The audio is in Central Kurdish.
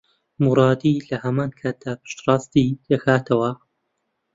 مورادی لە هەمان کاتدا پشتڕاستی دەکاتەوە